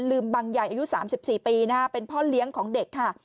บังใหญ่อายุ๓๔ปีเป็นพ่อเลี้ยงของเด็กค่ะ